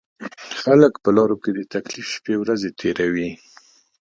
خلک په لارو کې د تکلیف شپېورځې تېروي.